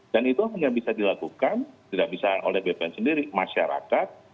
dan itu hanya bisa dilakukan tidak bisa oleh bpn sendiri masyarakat